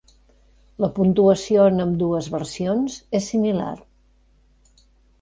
La puntuació en ambdues versions és similar.